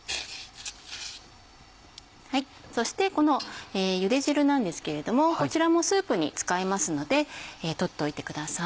そしてこのゆで汁なんですけれどもこちらもスープに使いますので取っといてください。